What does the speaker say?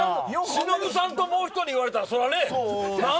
しのぶさんともう１人と言われたらね。